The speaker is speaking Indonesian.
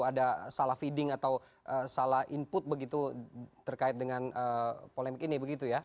ada salah feeding atau salah input begitu terkait dengan polemik ini begitu ya